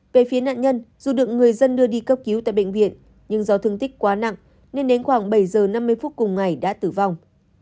về phía nạn nhân dù được người dân đưa đi cấp cứu tại bệnh viện nhưng do thương tích quá nặng nên đến khoảng bảy giờ năm mươi phút cùng ngày đã tử vong